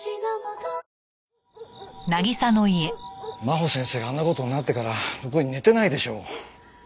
真帆先生があんな事になってからろくに寝てないでしょう。